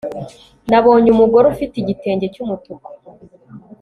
nabonye umugore ufite igitenge cy'umutuku